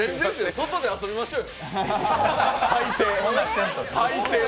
外で遊びましょうよ。